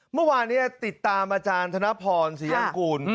เมื่อวานนี้ติดตามอาจารย์ธนพรศรียางกูล